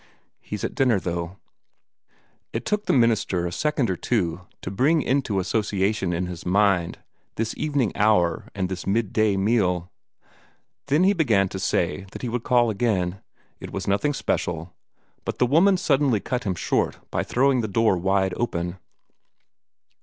"He's at dinner, though." It took the young minister a second or two to bring into association in his mind this evening hour and this midday meal. Then he began to say that he would call again it was nothing special but the woman suddenly cut him short by throwing the door wide open.